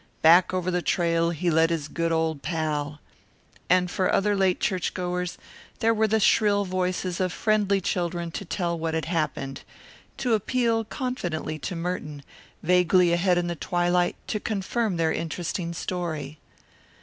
Back over the trail he led his good old pal. And for other later churchgoers there were the shrill voices of friendly children to tell what had happened to appeal confidently to Merton, vaguely ahead in the twilight, to confirm their interesting story.